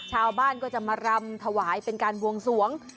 ชาวบ้านก็จะมารำถวายเป็นการบวงสวง